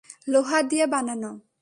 লোহা দিয়ে বানানো?